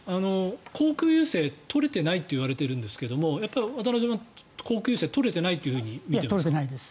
航空優勢が取れていないといわれているんですがやっぱり航空優勢が取れていないと見ているんですか？